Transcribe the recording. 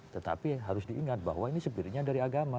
tetapi harus diingat bahwa ini spirinya dari agama